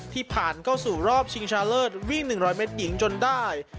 ที่ผ่านเข้าสู่รอบชิงชาเลิศวิ่ง๑๐๐เมตรหญิงจนได้